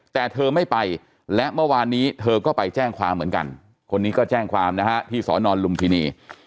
แต่เธอไม่ไปและเมื่อวานนี้เธอก็ไปแจ้งความเหมือนกันคนนี้ก็แจ้งความนะฮะที่สอนอนลุมพินี